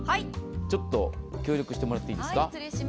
ちょっと協力してもらっていいですか。